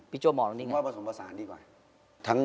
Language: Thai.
พี่โจ้มองตรงนี้กัน